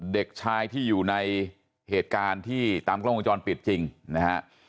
เด็กชายที่อยู่ในเหตุการณ์ที่ตามกล้องวงจรปิดจริงนะฮะ